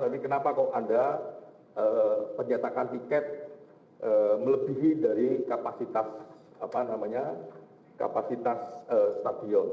tapi kenapa kok anda pencetakan tiket melebihi dari kapasitas stadion